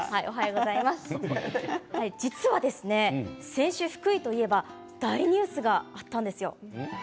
先週、福井といえば大ニュースがあったんです。